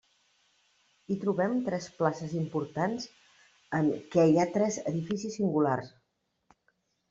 Hi trobem tres places importants en què hi ha tres edificis singulars.